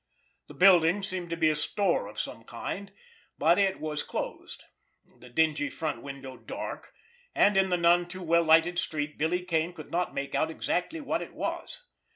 The building seemed to be a store of some kind, but it was closed, the dingy front window dark, and in the none too well lighted street Billy Kane could not make out exactly what it was.